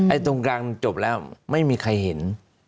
ตรงกลางมันจบแล้วไม่มีใครเห็น